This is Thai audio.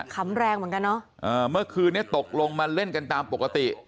ขำแรงเหมือนกันเนอะอ่าเมื่อคืนนี้ตกลงมาเล่นกันตามปกติ